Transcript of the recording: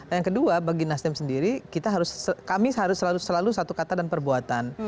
yang kedua bagi nasdem sendiri kami harus selalu satu kata dan perbuatan